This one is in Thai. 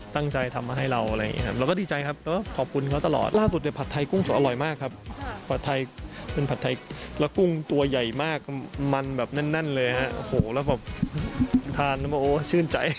ทานแล้วแบบโอ้โฮชื่นใจ